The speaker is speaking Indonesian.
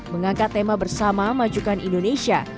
mengangkat tema bersama majukan indonesia